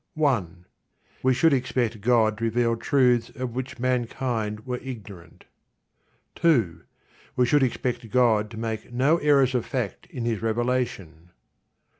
1. We should expect God to reveal truths of which mankind were ignorant. 2. We should expect God to make no errors of fact in His revelation.